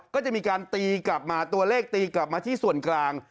ก็จะมีการตีกลับมาตัวเลขตีกลับมาที่ส่วนกลาง